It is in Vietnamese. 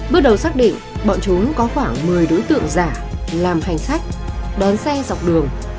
bước đầu xác định bọn trốn có khoảng một mươi đối tượng giả làm hành khách đón xe dọc đường